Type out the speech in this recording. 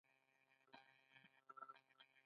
زه چې خبره ورته وکړم، نه یې مني.